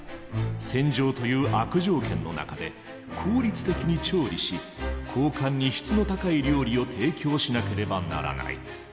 戦場という悪条件の中で効率的に調理し高官に質の高い料理を提供しなければならない。